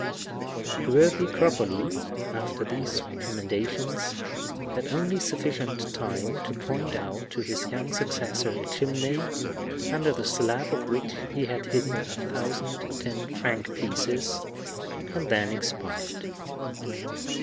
The worthy Cropoli, after these recommendations, had only sufficient time to point out to his young successor a chimney, under the slab of which he had hidden a thousand ten franc pieces, and then expired.